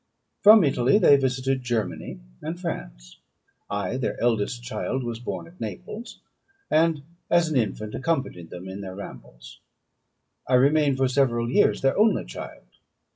From Italy they visited Germany and France. I, their eldest child, was born at Naples, and as an infant accompanied them in their rambles. I remained for several years their only child.